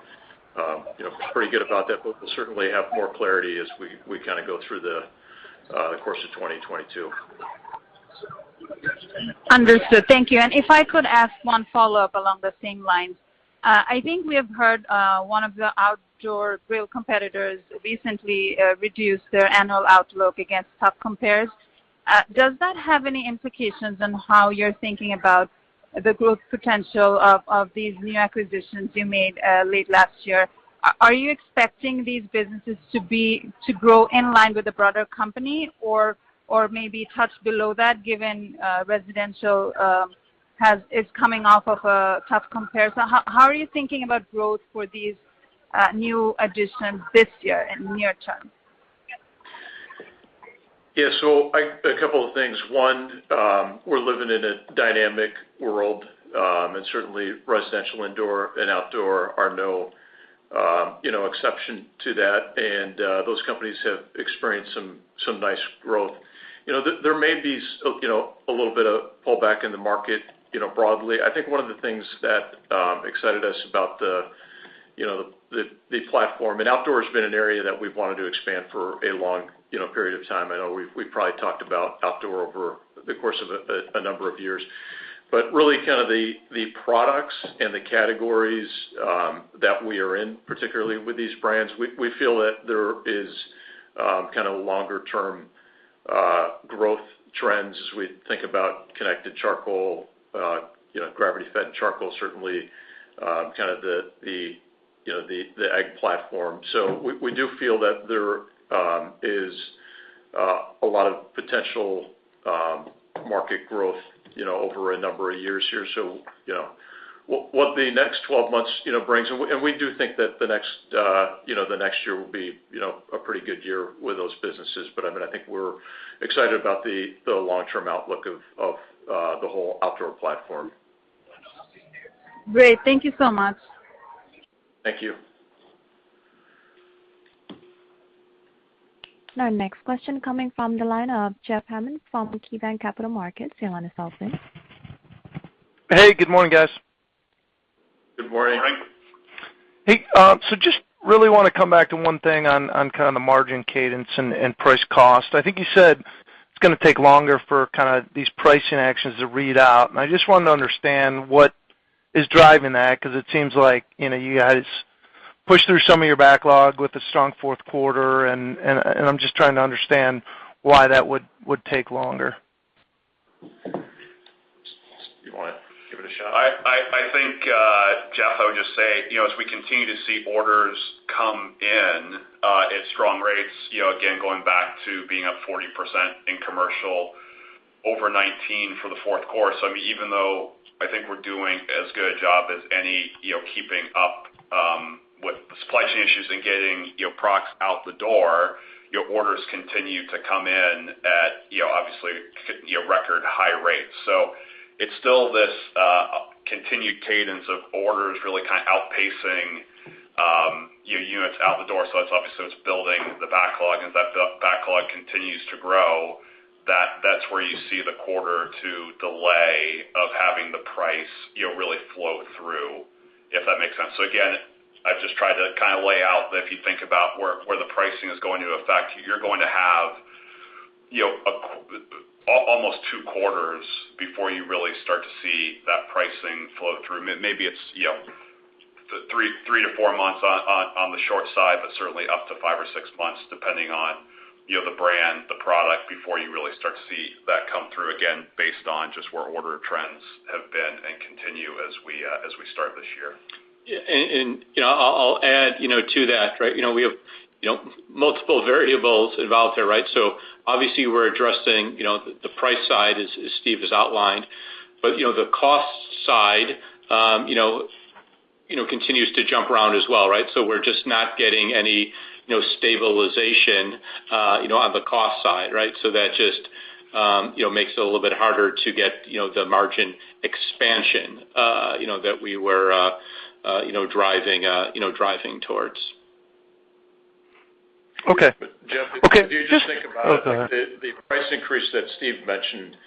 [SPEAKER 2] you know, pretty good about that. We'll certainly have more clarity as we kind of go through the course of 2022.
[SPEAKER 7] Understood. Thank you. If I could ask one follow-up along the same lines. I think we have heard one of the outdoor grill competitors recently reduce their annual outlook against tough comps. Does that have any implications on how you're thinking about the growth potential of these new acquisitions you made late last year? Are you expecting these businesses to grow in line with the broader company or maybe touch below that given residential is coming off of a tough comparison? How are you thinking about growth for these new additions this year and near term?
[SPEAKER 2] A couple of things. One, we're living in a dynamic world, and certainly residential indoor and outdoor are no exception to that. Those companies have experienced some nice growth. You know, there may be a little bit of pullback in the market broadly. I think one of the things that excited us about the platform, and outdoor has been an area that we've wanted to expand for a long period of time. I know we've probably talked about outdoor over the course of a number of years. Really kind of the products and the categories that we are in, particularly with these brands, we feel that there is kind of longer-term growth trends as we think about connected charcoal, you know, gravity-fed charcoal, certainly, kind of the, you know, the egg platform. We do feel that there is a lot of potential market growth, you know, over a number of years here. You know, what the next 12 months, you know, brings. We do think that the next, you know, the next year will be, you know, a pretty good year with those businesses. I mean, I think we're excited about the long-term outlook of the whole outdoor platform.
[SPEAKER 7] Great. Thank you so much.
[SPEAKER 2] Thank you.
[SPEAKER 1] Our next question coming from the line of Jeff Hammond from KeyBanc Capital Markets. Your line is open.
[SPEAKER 8] Hey, good morning, guys.
[SPEAKER 2] Good morning.
[SPEAKER 6] Good morning.
[SPEAKER 8] Hey, just really wanna come back to one thing on kinda the margin cadence and price cost. I think you said it's gonna take longer for kinda these pricing actions to read out, and I just wanted to understand what is driving that. 'Cause it seems like, you know, you guys pushed through some of your backlog with a strong fourth quarter, and I'm just trying to understand why that would take longer.
[SPEAKER 2] You wanna give it a shot?
[SPEAKER 6] I think, Jeff, I would just say, you know, as we continue to see orders come in at strong rates, you know, again, going back to being up 40% in commercial over 2019 for the fourth quarter. I mean, even though I think we're doing as good a job as any, you know, keeping up with the supply chain issues and getting, you know, products out the door, your orders continue to come in at, you know, obviously, you know, record high rates. So it's still this continued cadence of orders really kinda outpacing, you know, units out the door. So it's obviously, it's building the backlog. As that backlog continues to grow, that's where you see the quarter or two delay of having the price, you know, really flow through, if that makes sense. Again, I've just tried to kinda lay out that if you think about where the pricing is going to affect you're going to have, you know, almost two quarters before you really start to see that pricing flow through. Maybe it's, you know, three to four months on the short side, but certainly up to five or six months, depending on, you know, the brand, the product, before you really start to see that come through, again, based on just where order trends have been and continue as we start this year.
[SPEAKER 2] Yeah. You know, I'll add, you know, to that, right? You know, we have, you know, multiple variables involved there, right? Obviously we're addressing, you know, the price side, as Steve has outlined. You know, the cost side continues to jump around as well, right? We're just not getting any, you know, stabilization, you know, on the cost side, right? That just makes it a little bit harder to get, you know, the margin expansion, you know, that we were, you know, driving, you know, towards.
[SPEAKER 8] Okay.
[SPEAKER 2] Jeff.
[SPEAKER 8] Okay.
[SPEAKER 2] If you just think about it.
[SPEAKER 8] Okay.
[SPEAKER 2] The price increase that Steve mentioned,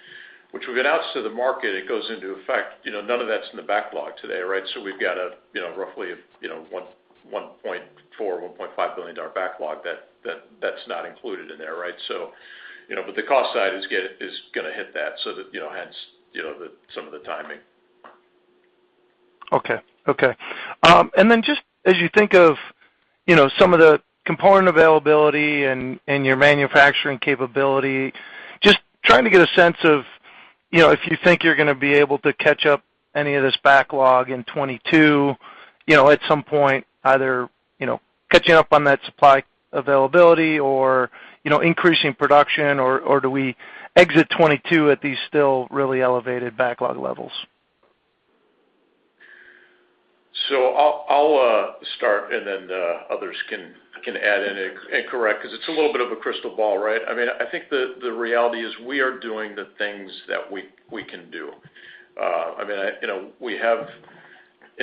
[SPEAKER 2] which we've announced to the market, it goes into effect. None of that's in the backlog today, right? We've got roughly a $1.4 billion-$1.5 billion backlog that's not included in there, right? But the cost side is gonna hit that, so that hence some of the timing.
[SPEAKER 8] Just as you think of, you know, some of the component availability and your manufacturing capability, just trying to get a sense of, you know, if you think you're gonna be able to catch up any of this backlog in 2022, you know, at some point, either, you know, catching up on that supply availability or, you know, increasing production or do we exit 2022 at these still really elevated backlog levels?
[SPEAKER 2] I'll start and then others can add in and correct, 'cause it's a little bit of a crystal ball, right? I mean, I think the reality is we are doing the things that we can do. You know, we have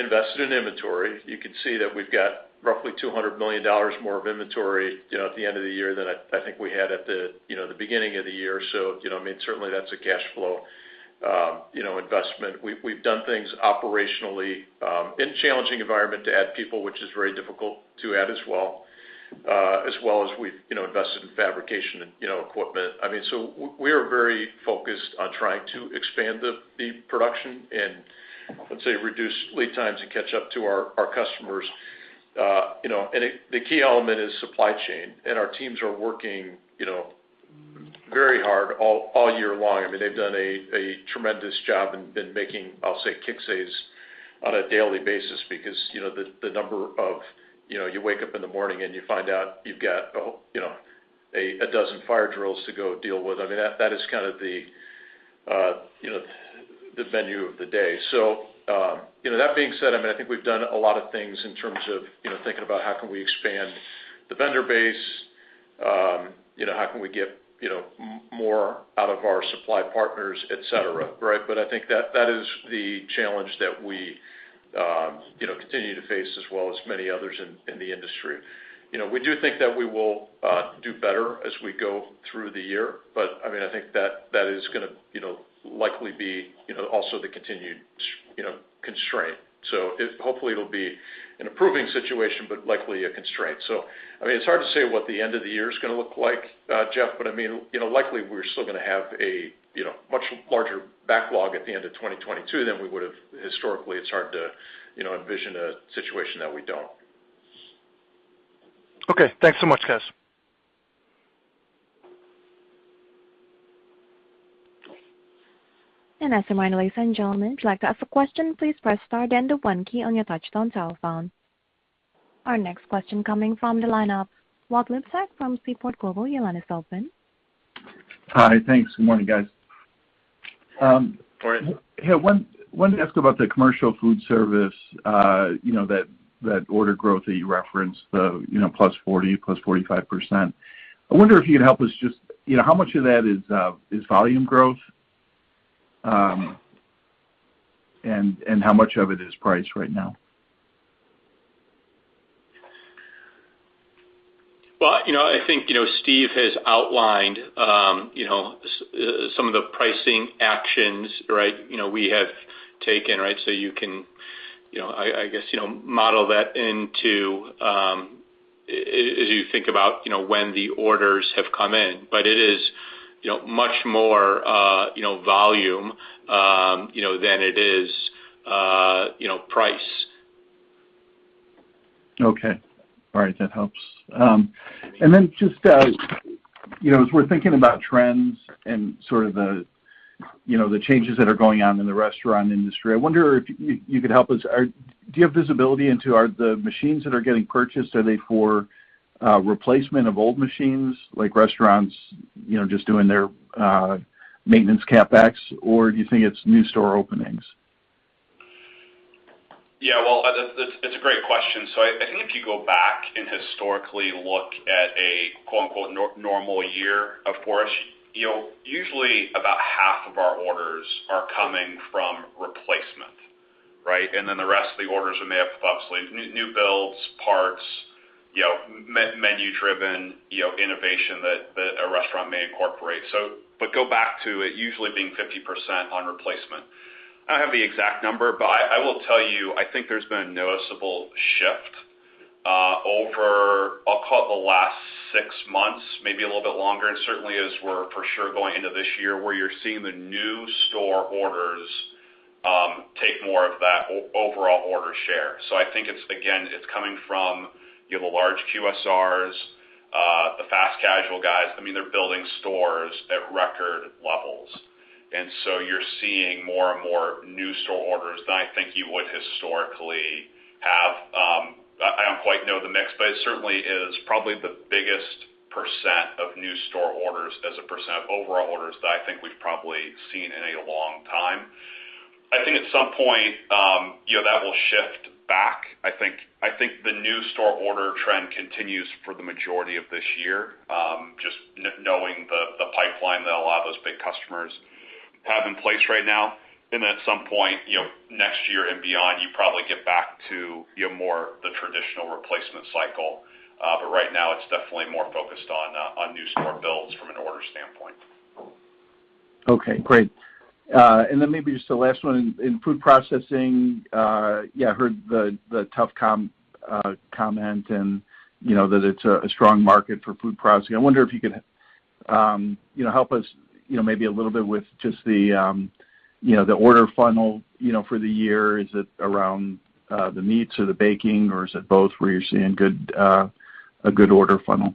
[SPEAKER 2] invested in inventory. You can see that we've got roughly $200 million more of inventory, you know, at the end of the year than I think we had at the beginning of the year. You know, I mean, certainly that's a cash flow investment. We've done things operationally in a challenging environment to add people, which is very difficult to add as well as we've invested in fabrication and equipment. I mean, we are very focused on trying to expand the production and, let's say, reduce lead times and catch up to our customers. You know, the key element is supply chain, and our teams are working, you know, very hard all year long. I mean, they've done a tremendous job in making, I'll say, fixes on a daily basis because, you know, the number of, you know, you wake up in the morning and you find out you've got a dozen fire drills to go deal with. I mean, that is kind of the, you know, the tenor of the day. You know, that being said, I mean, I think we've done a lot of things in terms of, you know, thinking about how can we expand the vendor base, you know, how can we get, you know, more out of our supply partners, et cetera, right? I think that is the challenge that we, you know, continue to face as well as many others in the industry. You know, we do think that we will do better as we go through the year, but I mean, I think that is gonna, you know, likely be, you know, also the continued constraint. Hopefully it'll be an improving situation, but likely a constraint. I mean, it's hard to say what the end of the year is gonna look like, Jeff, but I mean, you know, likely we're still gonna have a, you know, much larger backlog at the end of 2022 than we would've historically. It's hard to, you know, envision a situation that we don't.
[SPEAKER 8] Okay. Thanks so much, guys.
[SPEAKER 1] As a reminder, ladies and gentlemen, if you'd like to ask a question, please press star then the one key on your touchtone telephone. Our next question coming from the line of Walt Liptak from Seaport Global. Your line is now open.
[SPEAKER 9] Hi. Thanks. Good morning, guys.
[SPEAKER 6] Morning.
[SPEAKER 9] Hey, wanted to ask about the commercial food service, you know, that order growth that you referenced, you know, +40%, +45%. I wonder if you could help us just, you know, how much of that is volume growth, and how much of it is price right now?
[SPEAKER 2] Well, you know, I think, you know, Steve has outlined, you know, some of the pricing actions, right, you know, we have taken, right? You can, you know, I guess, you know, model that into, as you think about, you know, when the orders have come in. It is, you know, much more, you know, volume, you know, than it is, you know, price.
[SPEAKER 9] Okay. All right. That helps. And then just, you know, as we're thinking about trends and sort of the, you know, the changes that are going on in the restaurant industry, I wonder if you could help us. Do you have visibility into whether the machines that are getting purchased are for replacement of old machines, like restaurants, you know, just doing their maintenance CapEx, or do you think it's new store openings?
[SPEAKER 6] Yeah. Well, that's a great question. I think if you go back and historically look at a quote-unquote normal year, of course, you know, usually about half of our orders are coming from replacement, right? Then the rest of the orders are made up of obviously new builds, parts, you know, menu driven, you know, innovation that a restaurant may incorporate. But go back to it usually being 50% on replacement. I don't have the exact number, but I will tell you, I think there's been a noticeable shift over, I'll call it the last six months, maybe a little bit longer, and certainly as we're for sure going into this year, where you're seeing the new store orders take more of that overall order share. I think it's, again, it's coming from you have the large QSRs, the fast casual guys. I mean, they're building stores at record levels. You're seeing more and more new store orders than I think you would historically have. I don't quite know the mix, but it certainly is probably the biggest percentage of new store orders as a percentage of overall orders that I think we've probably seen in a long time. I think at some point, you know, that will shift back. I think the new store order trend continues for the majority of this year, just knowing the pipeline that a lot of those big customers have in place right now. At some point, you know, next year and beyond, you probably get back to, you know, more the traditional replacement cycle. Right now, it's definitely more focused on new store builds from an order standpoint.
[SPEAKER 9] Okay. Great. Then maybe just the last one. In food processing, I heard the tough comp comment and you know that it's a strong market for food processing. I wonder if you could help us, you know, maybe a little bit with just the order funnel, you know, for the year. Is it around the meats or the baking, or is it both where you're seeing a good order funnel?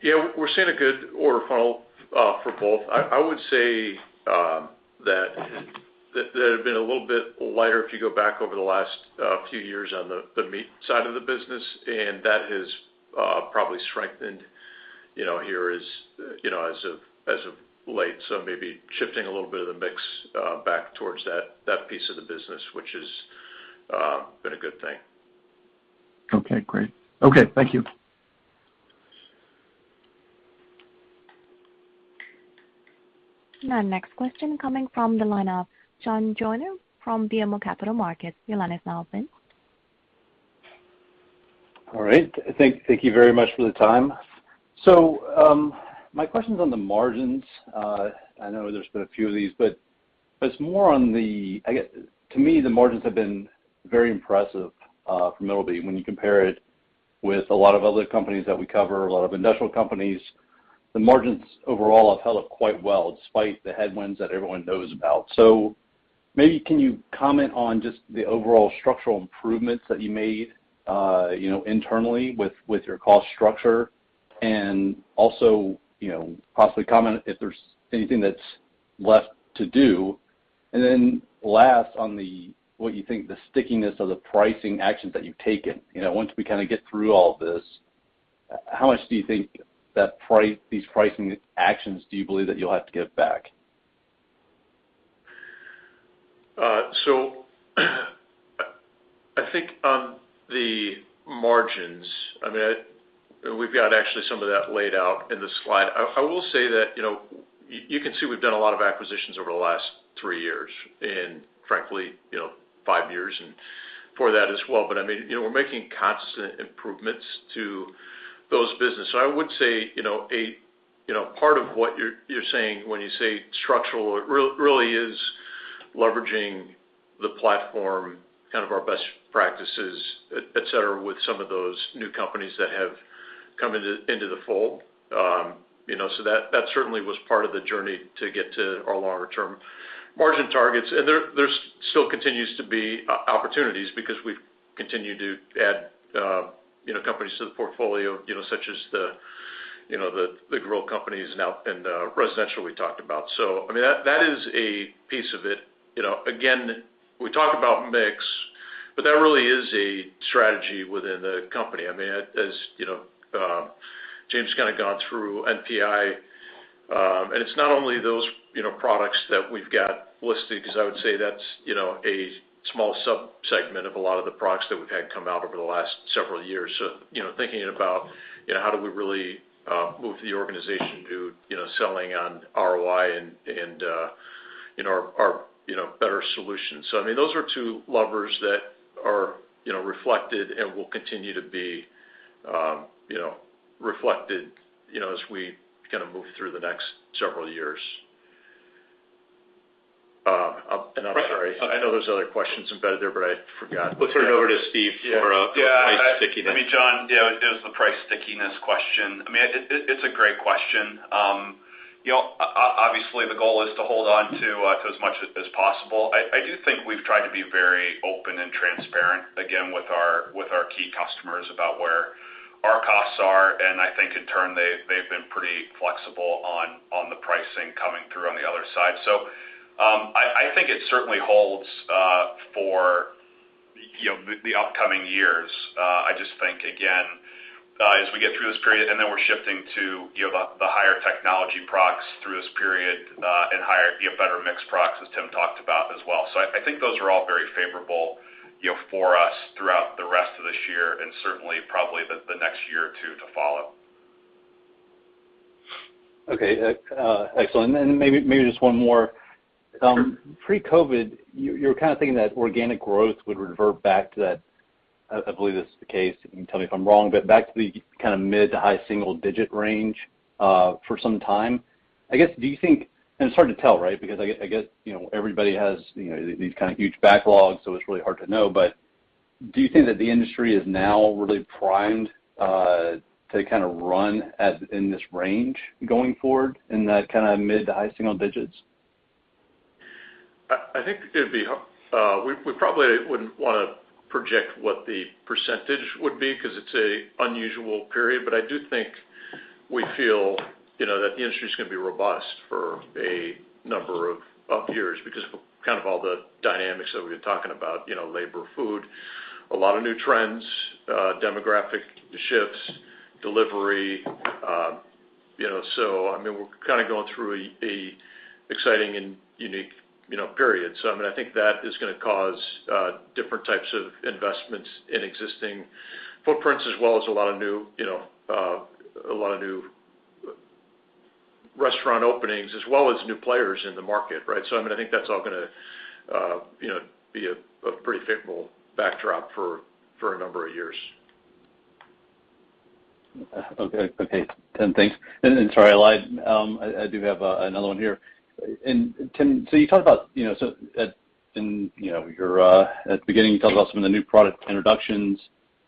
[SPEAKER 6] Yeah, we're seeing a good order funnel for both. I would say that had been a little bit lighter if you go back over the last few years on the meat side of the business, and that has probably strengthened, you know, here as you know as of late. Maybe shifting a little bit of the mix back towards that piece of the business, which has been a good thing.
[SPEAKER 9] Okay, great. Okay. Thank you.
[SPEAKER 1] Our next question coming from the line of John Joyner from BMO Capital Markets. Your line is now open.
[SPEAKER 10] All right. Thank you very much for the time. My question's on the margins. I know there's been a few of these, but it's more on the, I guess to me, the margins have been very impressive for Middleby when you compare it with a lot of other companies that we cover, a lot of industrial companies. The margins overall have held up quite well despite the headwinds that everyone knows about. Maybe you can comment on just the overall structural improvements that you made internally with your cost structure. Also, possibly comment if there's anything that's left to do. Then last, on what you think the stickiness of the pricing actions that you've taken. You know, once we kinda get through all of this, how much do you think that these pricing actions do you believe that you'll have to give back?
[SPEAKER 2] I think on the margins, I mean, we've got actually some of that laid out in the slide. I will say that, you know, you can see we've done a lot of acquisitions over the last three years and frankly, you know, five years and before that as well. I mean, you know, we're making constant improvements to those businesses. I would say, you know, part of what you're saying when you say structural, it really is leveraging the platform, kind of our best practices, et cetera, with some of those new companies that have come into the fold. You know, that certainly was part of the journey to get to our longer term. Margin targets, and there's still continues to be opportunities because we've continued to add, you know, companies to the portfolio, you know, such as the grill companies now and residential we talked about. I mean, that is a piece of it. You know, again, we talk about mix, but that really is a strategy within the company. I mean, as you know, James kind of gone through NPI, and it's not only those, you know, products that we've got listed, because I would say that's a small subsegment of a lot of the products that we've had come out over the last several years. You know, thinking about how do we really move the organization to selling on ROI and our better solutions. I mean, those are two levers that are, you know, reflected and will continue to be, you know, reflected, you know, as we kind of move through the next several years. I'm sorry. I know there's other questions embedded there, but I forgot. We'll turn it over to Steve for the price stickiness.
[SPEAKER 6] Yeah. I mean, John, you know, it was the price stickiness question. I mean, it's a great question. You know, obviously, the goal is to hold on to as much as possible. I do think we've tried to be very open and transparent, again, with our key customers about where our costs are, and I think in turn, they've been pretty flexible on the pricing coming through on the other side. I think it certainly holds for, you know, the upcoming years. I just think, again, as we get through this period, and then we're shifting to, you know, the higher technology products through this period, and higher, you know, better mixed products, as Tim talked about as well. I think those are all very favorable, you know, for us throughout the rest of this year and certainly probably the next year or two to follow.
[SPEAKER 10] Okay. Excellent. Maybe just one more.
[SPEAKER 6] Sure.
[SPEAKER 10] Pre-COVID, you were kind of thinking that organic growth would revert back to that, I believe this is the case, you can tell me if I'm wrong, but back to the kind of mid- to high-single-digit range, for some time. I guess, do you think it's hard to tell, right? Because I get, you know, everybody has, you know, these kind of huge backlogs, so it's really hard to know. Do you think that the industry is now really primed to kind of run at, in this range going forward, in that kind of mid- to high-single-digits?
[SPEAKER 2] I think we probably wouldn't wanna project what the percentage would be because it's an unusual period. I do think we feel, you know, that the industry is gonna be robust for a number of years because of kind of all the dynamics that we've been talking about, you know, labor, food, a lot of new trends, demographic shifts, delivery, you know. I mean, we're kind of going through an exciting and unique, you know, period. I mean, I think that is gonna cause different types of investments in existing footprints as well as a lot of new, you know, a lot of new restaurant openings as well as new players in the market, right? I mean, I think that's all gonna, you know, be a pretty favorable backdrop for a number of years.
[SPEAKER 10] Okay. Tim, thanks. Sorry, I lied. I do have another one here. Tim, you talked about at the beginning some of the new product introductions,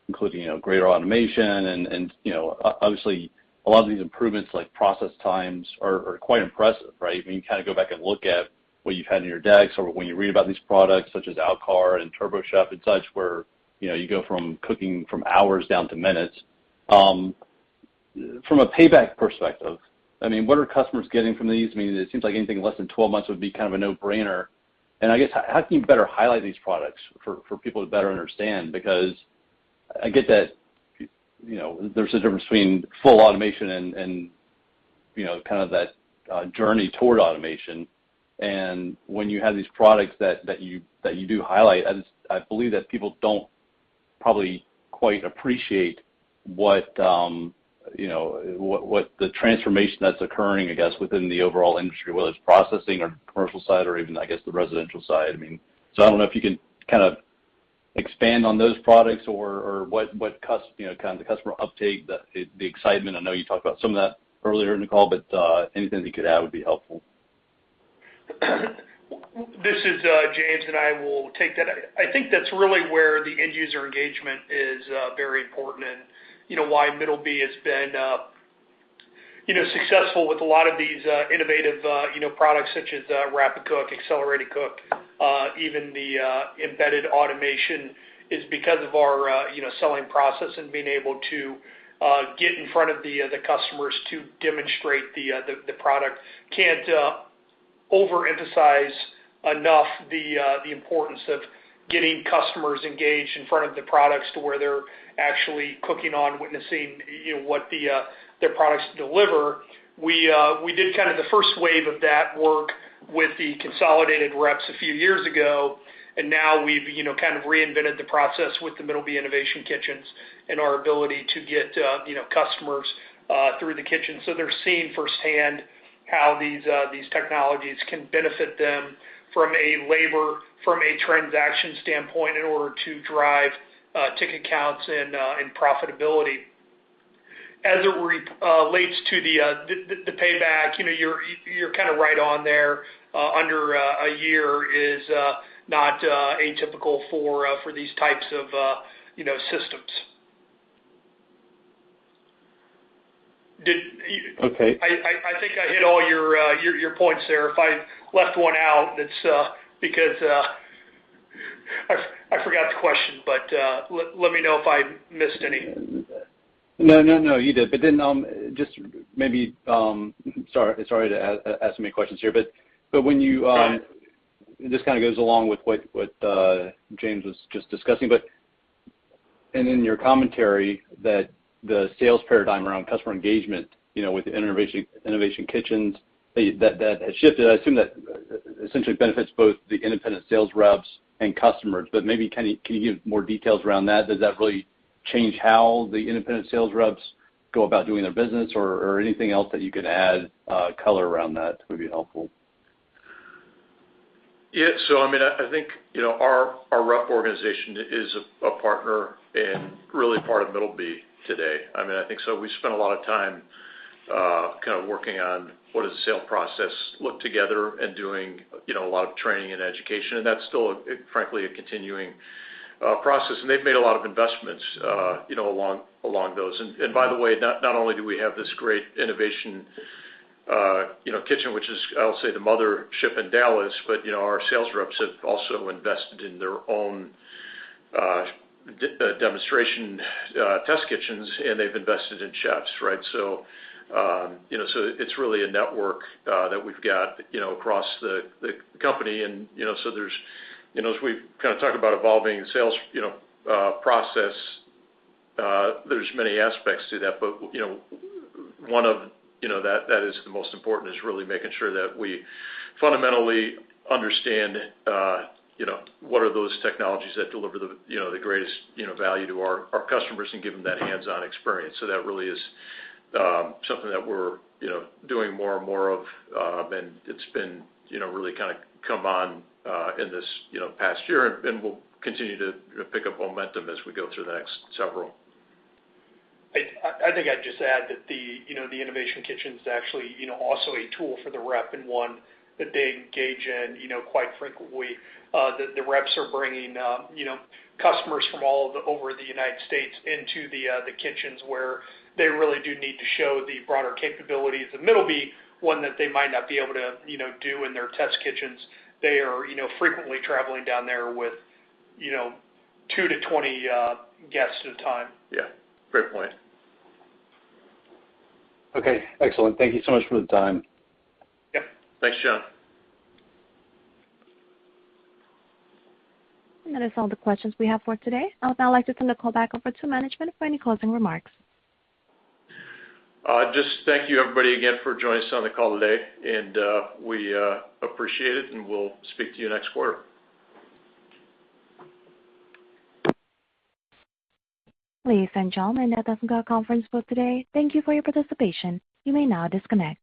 [SPEAKER 10] including, you know, greater automation and, you know, obviously, a lot of these improvements like process times are quite impressive, right? I mean, you kind of go back and look at what you've had in your decks or when you read about these products such as Alkar and TurboChef and such, where, you know, you go from cooking from hours down to minutes. From a payback perspective, I mean, what are customers getting from these? I mean, it seems like anything less than twelve months would be kind of a no-brainer. I guess, how can you better highlight these products for people to better understand? Because I get that, you know, there's a difference between full automation and you know, kind of that journey toward automation. When you have these products that you do highlight, I just believe that people don't probably quite appreciate what you know, what the transformation that's occurring, I guess, within the overall industry, whether it's processing or commercial side or even, I guess, the residential side. I mean, so I don't know if you can kind of expand on those products or what customer you know, kind of the customer uptake, the excitement. I know you talked about some of that earlier in the call, but anything you could add would be helpful.
[SPEAKER 3] This is James, and I will take that. I think that's really where the end user engagement is very important and, you know, why Middleby has been, you know, successful with a lot of these innovative, you know, products such as rapid cook, accelerated cook, even the embedded automation is because of our, you know, selling process and being able to get in front of the customers to demonstrate the product. Can't overemphasize enough the importance of getting customers engaged in front of the products to where they're actually cooking on, witnessing, you know, what their products deliver. We did kind of the first wave of that work with the consolidated reps a few years ago, and now we've, you know, kind of reinvented the process with the Middleby Innovation Kitchens and our ability to get, you know, customers through the kitchen. So they're seeing firsthand how these technologies can benefit them from a labor, from a transaction standpoint in order to drive ticket counts and profitability. As it relates to the payback, you know, you're kind of right on there. Under a year is not atypical for these types of, you know, systems.
[SPEAKER 10] Okay.
[SPEAKER 3] I think I hit all your points there. If I left one out, it's because I forgot the question, but let me know if I missed any.
[SPEAKER 10] No, no, you did. But then, just maybe, sorry to ask many questions here, but this kinda goes along with what James was just discussing. In your commentary that the sales paradigm around customer engagement, you know, with innovation kitchens, that has shifted, I assume that essentially benefits both the independent sales reps and customers, but maybe can you give more details around that? Does that really change how the independent sales reps go about doing their business or anything else that you could add color around that would be helpful.
[SPEAKER 2] Yeah. I mean, I think, you know, our rep organization is a partner and really part of Middleby today. I mean, I think so. We spent a lot of time kind of working on what the sales process looks like together and doing, you know, a lot of training and education, and that's still, frankly, a continuing process. They've made a lot of investments, you know, along those. By the way, not only do we have this great Innovation Kitchen, which is, I'll say, the mothership in Dallas, but you know, our sales reps have also invested in their own demonstration test kitchens, and they've invested in chefs, right? It's really a network that we've got, you know, across the company. You know, so there's, you know, as we kind of talk about evolving sales, you know, process, there's many aspects to that. You know, one of, you know, that is the most important is really making sure that we fundamentally understand, you know, what are those technologies that deliver the, you know, the greatest, you know, value to our customers and give them that hands-on experience. That really is something that we're, you know, doing more and more of, and it's been, you know, really kinda come on in this, you know, past year, and we'll continue to pick up momentum as we go through the next several.
[SPEAKER 3] I think I'd just add that you know, the innovation kitchen is actually you know, also a tool for the rep and one that they engage in you know, quite frequently. The reps are bringing you know, customers from all over the United States into the kitchens where they really do need to show the broader capabilities of Middleby, one that they might not be able to you know, do in their test kitchens. They are you know, frequently traveling down there with you know, two to 20 guests at a time.
[SPEAKER 2] Yeah. Great point.
[SPEAKER 10] Okay. Excellent. Thank you so much for the time.
[SPEAKER 2] Yeah. Thanks, John.
[SPEAKER 1] That is all the questions we have for today. I would now like to turn the call back over to management for any closing remarks.
[SPEAKER 2] Just thank you everybody again for joining us on the call today, and we appreciate it, and we'll speak to you next quarter.
[SPEAKER 1] Ladies and gentlemen, that does end our conference call today. Thank you for your participation. You may now disconnect.